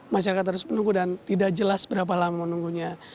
masyarakat harus menunggu dan tidak jelas berapa lama menunggunya